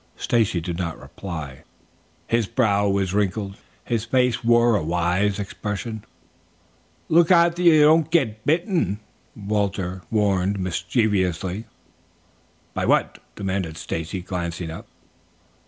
Stacy did not reply. His brow was wrinkled; his face wore a wise expression. "Look out that you don't get bitten," warned Walter mischievously. "By what?" demanded Stacy, glancing up.